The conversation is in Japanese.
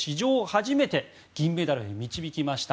初めて銀メダルに導きました。